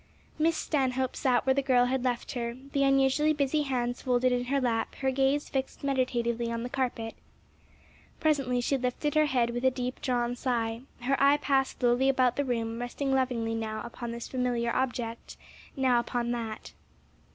Miss Stanhope sat where the girl had left her, the usually busy hands folded in her lap her gaze fixed meditatively on the carpet. Presently she lifted her head with a deep drawn sigh, her eye passed slowly about the room resting lovingly now upon this familiar object, now upon that.